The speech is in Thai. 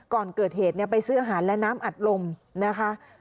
ก่อนเกิดเหตุไปซื้ออาหารและน้ำอัดลมนะคะ